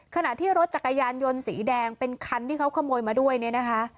ขณะที่รถจักรยานยนต์สีแดงเป็นคันที่เขาขโมยมาด้วยเนี่ยนะคะ